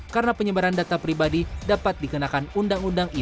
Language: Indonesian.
karena penyebaran data pribadi dapat dikenakan undang undang ite